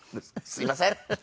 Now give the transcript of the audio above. すいません。